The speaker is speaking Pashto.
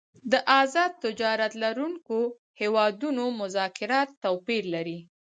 د آزاد اقتصاد لرونکو هیوادونو مذاکرات توپیر لري